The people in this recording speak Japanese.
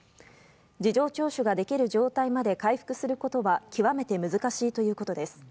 事情聴取ができる状態まで回復することは極めて難しいということです。